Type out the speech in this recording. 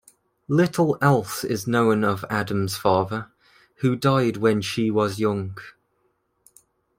Little else is known of Adams's father, who died when she was young.